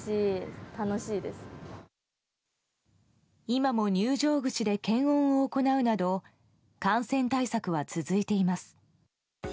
今も入場口で検温を行うなど感染対策は続いています。